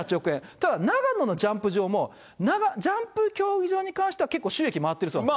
ただ、長野のジャンプ場も、ジャンプ競技場に関しては、結構、収益回ってるそうなんです。